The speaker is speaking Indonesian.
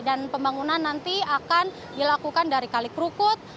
dan pembangunan nanti akan dilakukan dari kalik rukut